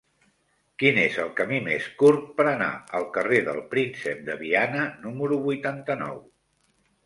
Quin és el camí més curt per anar al carrer del Príncep de Viana número vuitanta-nou?